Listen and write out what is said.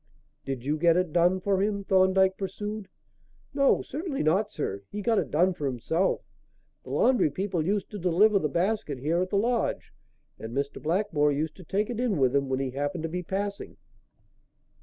"Did you get it done for him," Thorndyke pursued. "No, certainly not, sir. He got it done for himself. The laundry people used to deliver the basket here at the lodge, and Mr. Blackmore used to take it in with him when he happened to be passing."